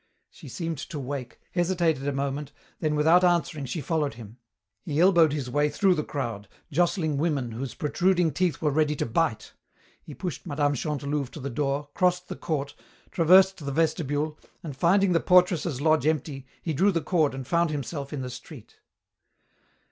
She seemed to wake, hesitated a moment, then without answering she followed him. He elbowed his way through the crowd, jostling women whose protruding teeth were ready to bite. He pushed Mme. Chantelouve to the door, crossed the court, traversed the vestibule, and, finding the portress' lodge empty, he drew the cord and found himself in the street.